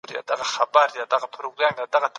دا علمي څانګه د کار ضمانت کوي.